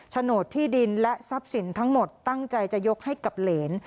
โฉนดที่ดินและทรัพย์สินทั้งหมดตั้งใจจะยกให้กับเหรน